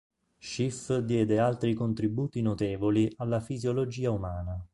Schiff diede altri contributi notevoli alla fisiologia umana.